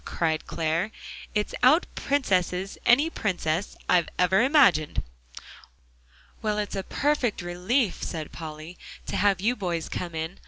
cried Clare. "It out princesses any princess I've ever imagined." "Well, it's a perfect relief," said Polly, "to have you boys come in.